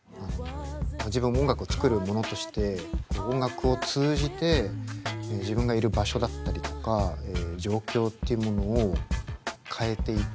自分音楽を作る者として音楽を通じて自分がいる場所だったりとか状況っていうものを変えていく。